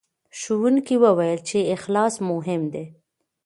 ښوونکي وویل چې اخلاص مهم دی.